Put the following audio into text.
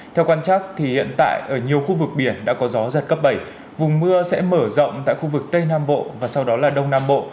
theo quan chắc hiện tại ở nhiều khu vực biển đã có gió giật cấp bảy vùng mưa sẽ mở rộng tại khu vực tây nam bộ và sau đó là đông nam bộ